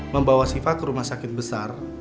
membawa siva ke rumah sakit besar